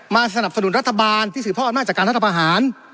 มาสนับสนุนรัฐบาลที่สิขท่ออนมาจากการรัฐประหาร